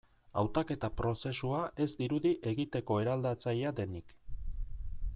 Hautaketa prozesua ez dirudi egiteko eraldatzailea denik.